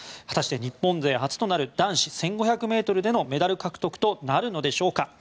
果たして日本勢初となる男性１５００ｍでのメダル獲得となるのでしょうか。